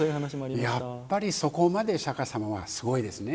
やっぱりそこまで釈迦様はすごいですね。